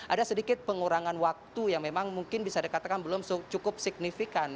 ada sedikit pengurangan waktu yang memang mungkin bisa dikatakan belum cukup signifikan